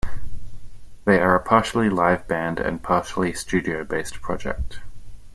They are a partially live band and partially studio-based project.